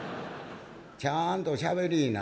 「ちゃんとしゃべりいな。